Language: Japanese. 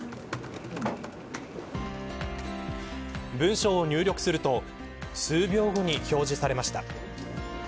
文章を入力すると数秒後に表示されました。